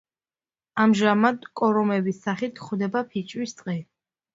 ამჟამად კორომების სახით გვხვდება ფიჭვის ტყე.